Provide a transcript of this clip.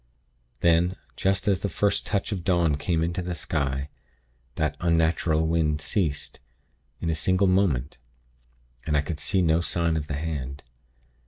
"Then, just as the first touch of dawn came into the sky, that unnatural wind ceased, in a single moment; and I could see no sign of the hand.